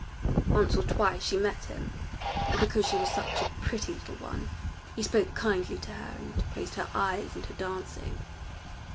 Once or twice she met him, and because she was such a pretty little one, he spoke kindly to her and praised her eyes and her dancing.